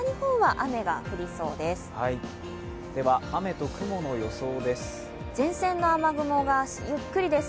雨と雲の予想です。